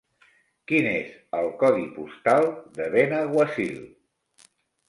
Quin és el codi postal de Benaguasil?